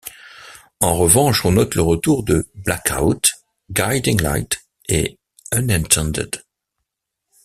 En revanche, on note le retour de Blackout, Guiding Light et Unintended.